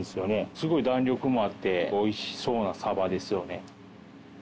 すごい弾力もあって美味しそうなサバですよね。